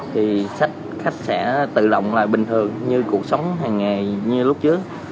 thì khách sẽ tự động lại bình thường như cuộc sống hàng ngày như lúc trước